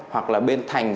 hoặc là bên thành